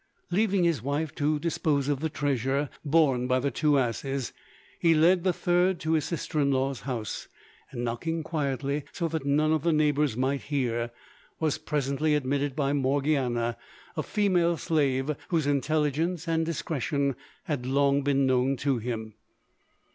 Leaving his wife to dispose of the treasure borne by the two asses, he led the third to his sister in law's house, and knocking quietly so that none of the neighbours might hear, was presently admitted by Morgiana, a female slave whose intelligence and discretion had long been known to him.